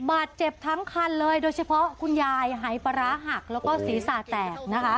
บาดเจ็บทั้งคันเลยโดยเฉพาะคุณยายหายปลาร้าหักแล้วก็ศีรษะแตกนะคะ